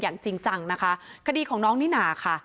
จริงจังนะคะคดีของน้องนิน่าค่ะ